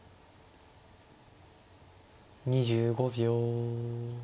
２５秒。